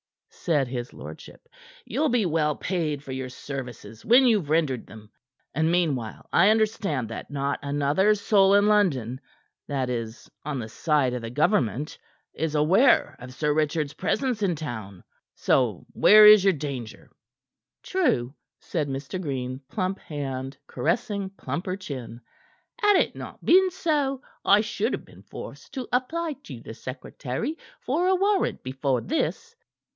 said his lordship. "You'll be well paid for your services when you've rendered them. And, meanwhile, I understand that not another soul in London that is, on the side of the government is aware of Sir Richard's presence in town. So where is your danger?" "True," said Mr. Green, plump hand caressing plumper chin. "Had it not been so, I should have been forced to apply to the secretary for a warrant before this."